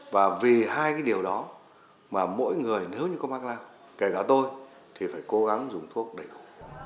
và vì hai cái điều đó mà mỗi người nếu như có mắc lao kể cả tôi thì phải cố gắng dùng thuốc đầy đủ